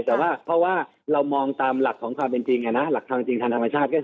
แต่ว่าเรามองตามหลักผลจริงทางธรรมชาติ